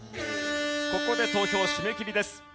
ここで投票締め切りです。